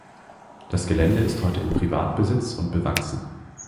Das Gelände ist heute in Privatbesitz und bewachsen.